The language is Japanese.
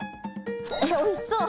おいしそう！